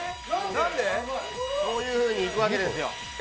こういうふうに行くわけですよ。